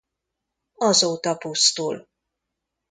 Azóta pusztul.